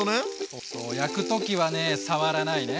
そうそう焼く時はね触らないね。